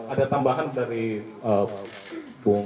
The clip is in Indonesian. ada tambahan dari bung manggabur sebuah waktu wakil bukalemang